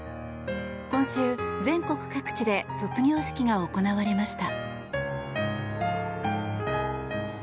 今週、全国各地で卒業式が行われました。